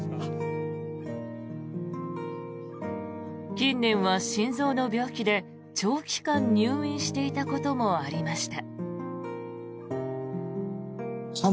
近年は心臓の病気で、長期間入院していたこともありました。